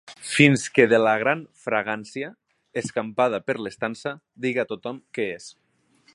Fins que de la gran fragància, escampada per l'estança, diga tothom què és.